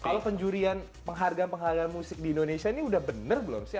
kalau penjurian penghargaan penghargaan musik di indonesia ini udah benar belum sih